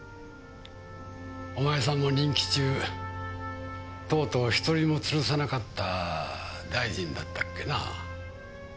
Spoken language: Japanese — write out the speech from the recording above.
お前さんも任期中とうとう１人も吊るさなかった大臣だったっけな。